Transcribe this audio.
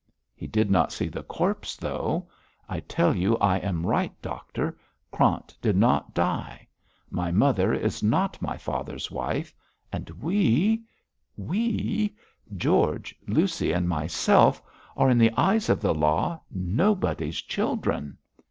'He did not see the corpse, though. I tell you I am right, doctor. Krant did not die. My mother is not my father's wife, and we we George, Lucy and myself are in the eyes of the law nobody's children.'